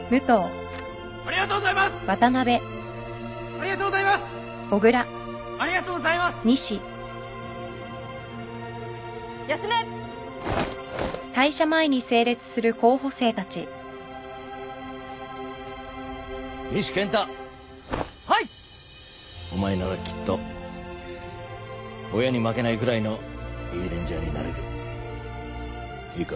お前ならきっと親に負けないくらいのいいレンジャーになれる。